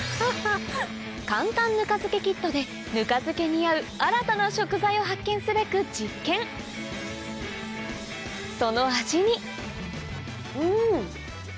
簡単ぬか漬けキットでぬか漬けに合う新たな食材を発見すべく実験その味にうん！